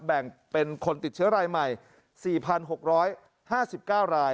แบ่งเป็นคนติดเชื้อรายใหม่๔๖๕๙ราย